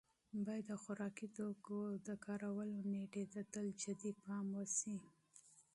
باید د خوراکي توکو د استعمال نېټې ته تل جدي پام وشي.